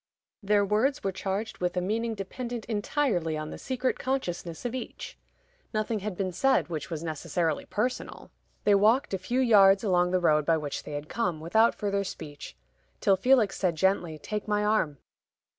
Their words were charged with a meaning dependent entirely on the secret consciousness of each. Nothing had been said which was necessarily personal. They walked a few yards along the road by which they had come, without further speech, till Felix said gently, "Take my arm."